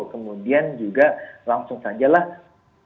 kemudian juga langsung sajalah berikan nama